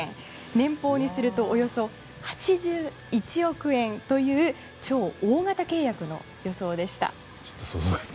年俸にするとおよそ８１億円という超大型契約の予想でした。